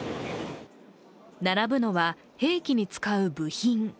並ぶのは兵器に使う部品。